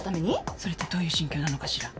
それってどういう心境なのかしら。